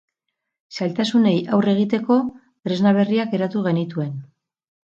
Zailtasunei aurre egiteko tresna berriak eratu genituen.